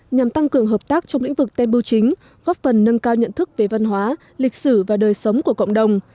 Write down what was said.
nhằm tăng cường hợp tác trong lĩnh vực tebu chính góp phần nâng cao nhận thức về văn hóa lịch sử và đời sống của cộng đồng